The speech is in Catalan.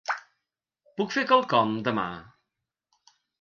Puc fer quelcom demà?